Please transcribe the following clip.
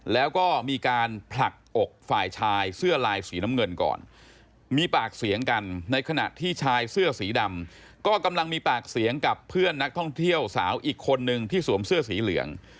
แล้วก็มีการผลักอกฝ่ายชายเสื้อลายสีน้ำเงินก่อนมีปากเสียงกันในขณะที่ชายเสื้อสีดำก็กำลังมีปากเสียงกับเพื่อนนักท่องเที่ยวสาวอีกคนนึงที่สวมเสื้อสีเหลือง